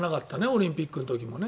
オリンピックの時も。